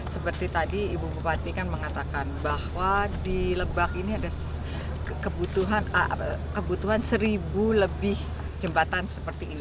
seperti tadi ibu bupati kan mengatakan bahwa di lebak ini ada kebutuhan seribu lebih jembatan seperti ini